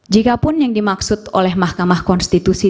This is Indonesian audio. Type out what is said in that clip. jikapun yang dimaksud oleh mahkamah konstitusi